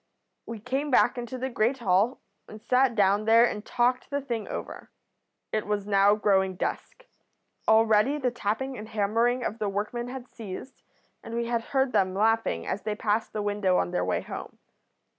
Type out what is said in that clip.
"We came back into the great hall, and sat down there and talked the thing over. It was now growing dusk. Already the tapping and hammering of the workmen had ceased, and we had heard them laughing as they passed the window on their way home.